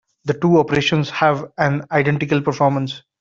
The two operations have an identical performance.